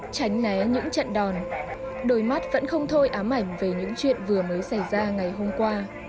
tránh lé những trận đòn đôi mắt vẫn không thôi ám ảnh về những chuyện vừa mới xảy ra ngày hôm qua